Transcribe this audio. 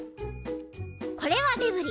これはデブリ。